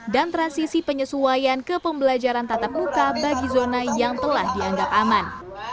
dan transisi penyesuaian ke pembelajaran tatap buka bagi zona yang telah dianggap aman